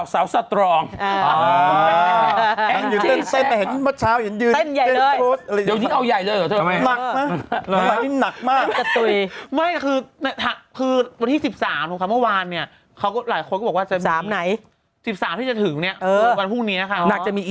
ว่าไม่ค่อยในกับเขานะ